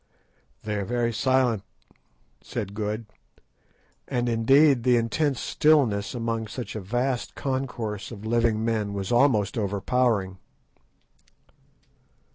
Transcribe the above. "They are very silent," said Good; and indeed the intense stillness among such a vast concourse of living men was almost overpowering.